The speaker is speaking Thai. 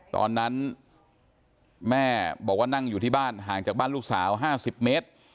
ตอนนั้นแม่บอกว่านั่งอยู่ที่บ้านห่างจากบ้านลูกสาว๕๐เมตร